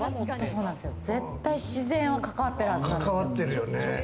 絶対、自然は関わってるはずなんですよ。